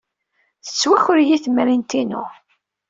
Tettwaker-iyi temrint-inu.